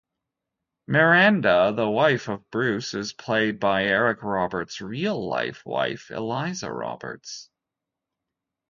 Miranda, the wife of Bruce, is played by Eric Roberts' real-life wife, Eliza Roberts.